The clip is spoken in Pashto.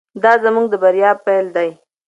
دا زموږ د بریا پیل دی.